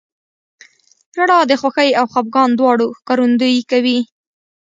• ژړا د خوښۍ او خفګان دواړو ښکارندویي کوي.